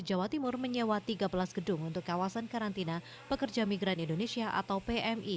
jawa timur menyewa tiga belas gedung untuk kawasan karantina pekerja migran indonesia atau pmi